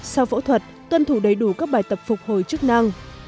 sau phẫu thuật tuân thủ đầy đủ các bài tập phục hồi chức năng